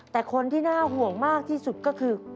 แต่คนที่น่าห่วงมากที่สุดก็คือ